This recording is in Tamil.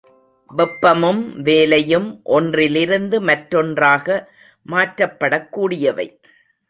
வெப்பமும் வேலையும் ஒன்றிலிருந்து மற்றொன்றாக மாற்றப்படக் கூடியவை.